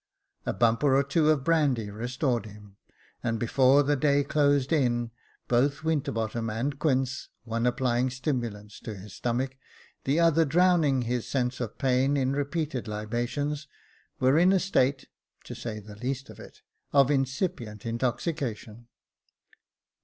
A bumper or two of brandy restored him, and before the day closed in, both Winterbottom and Quince, one applying stimulants to his stomach, and the other drowning his sense of pain in repeated libations, were in a state (to say the least of it) of incipient intoxication.